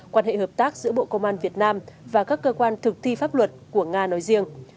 quan hệ hợp tác giữa bộ công an việt nam và các cơ quan thực thi pháp luật của nga nói riêng